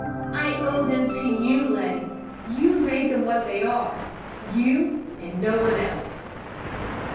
I owe them to you, Letty; you've made them what they are; you, and no one else."